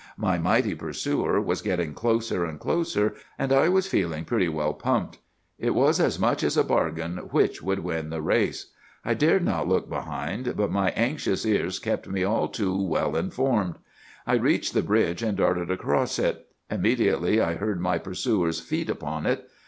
My mighty pursuer was getting closer and closer; and I was feeling pretty well pumped. It was as much as a bargain which would win the race. I dared not look behind, but my anxious ears kept me all too well informed. "'I reached the bridge and darted across it. Immediately I heard my pursuer's feet upon it.